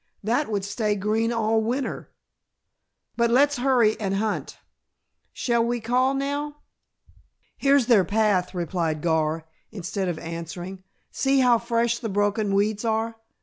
"That would stay green all winter. But let's hurry and hunt. Shall we call now?" "Here's their path," replied Gar, instead of answering. "See how fresh the broken weeds are.